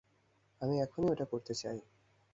আমি এখনই এটা করতে চাই।